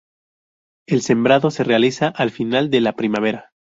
El sembrado se realiza al final de la primavera.